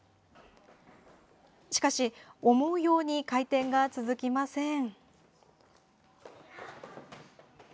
しかし、思うように回転が続きません。